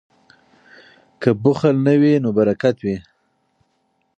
که بخل نه وي نو برکت وي.